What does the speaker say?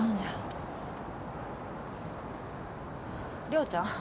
涼羽ちゃん。